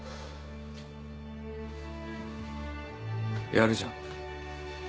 やるじゃん。